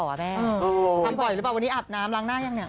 ทำบ่อยหรือเปล่าวันนี้อาบน้ำล้างหน้ายังเนี่ย